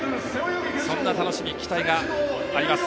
そんな楽しみ、期待があります